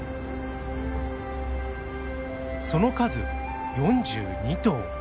その数４２頭。